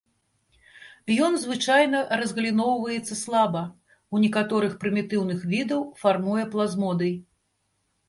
Ён звычайна разгаліноўваецца слаба, у некаторых прымітыўных відаў фармуе плазмодый.